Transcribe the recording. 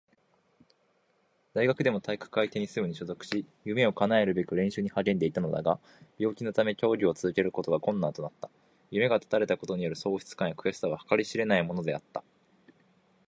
私は幼少期からプロテニスプレイヤーを志し、日々鍛錬を積んできた。大学でも体育会テニス部に所属し、夢を叶えるべく練習に励んでいたのだが、病気のため競技を続けることが困難となった。夢が断たれたことによる喪失感や悔しさは計り知れないものであった。